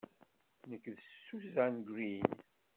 Nekk d Susan Greene.